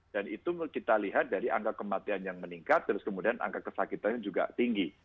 dan itu kita lihat dari angka kematian yang meningkat terus kemudian angka kesakitan juga tinggi